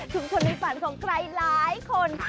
ชุมชนในฝันของใกล้หลายคน